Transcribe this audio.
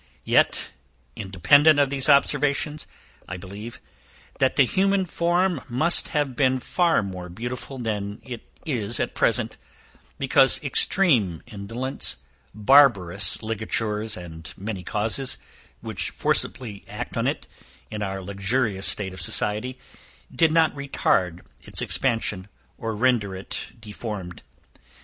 Yet, independent of these observations, I believe, that the human form must have been far more beautiful than it is at present, because extreme indolence, barbarous ligatures, and many causes, which forcibly act on it, in our luxurious state of society, did not retard its expansion, or render it deformed.